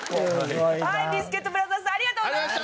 はいビスケットブラザーズさんありがとうございました。